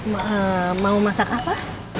mau masak apa